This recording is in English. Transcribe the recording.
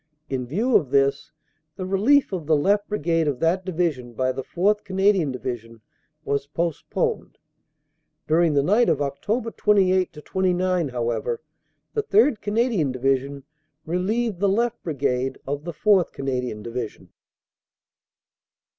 In view of this, the relief of the left Brigade of that Division by the 4th. Canadian Division was postponed. During the night of Oct. 28 29, however, the 3rd. Canadian Division relieved the left Brigade of the 4th. Canadian Division."